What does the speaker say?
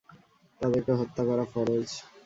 তাদেরকে হত্যা করা ফরয।